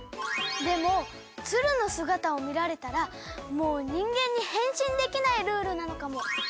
でもツルの姿を見られたらもう人間に変身できないルールなのかも。